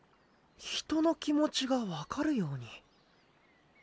人の気持ちが分かるように。